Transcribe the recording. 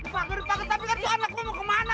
pakar pakar tapi kan tuh anak gue mau kemana